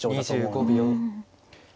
２５秒。